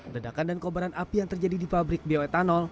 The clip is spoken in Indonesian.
ledakan dan kobaran api yang terjadi di pabrik bioetanol